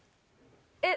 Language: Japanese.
えっ？